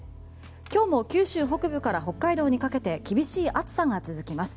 今日も九州北部から北海道にかけて厳しい暑さが続きます。